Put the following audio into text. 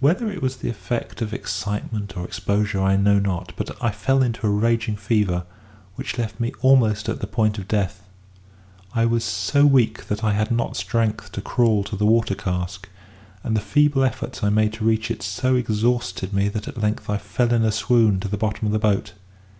Whether it was the effect of excitement or exposure I know not; but I fell into a raging fever, which left me almost at the point of death. I was so weak that I had not strength to crawl to the water cask; and the feeble efforts I made to reach it so exhausted me that at length I fell in a swoon to the bottom of the boat.